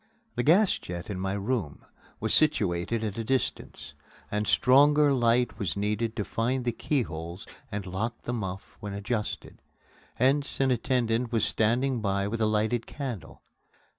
The gas jet in my room was situated at a distance, and stronger light was needed to find the keyholes and lock the muff when adjusted. Hence, an attendant was standing by with a lighted candle.